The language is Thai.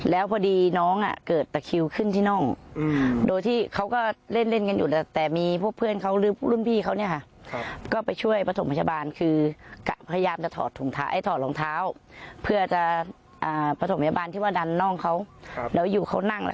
แล้วพอดีน้องเกิดเตะคู่ขึ้นที่น่องโดยที่เค้าก็เล่นเล่นกันอยู่